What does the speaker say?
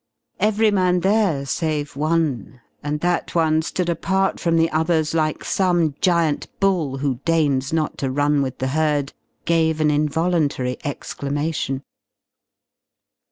Every man there, save one, and that one stood apart from the others like some giant bull who deigns not to run with the herd gave an involuntary exclamation.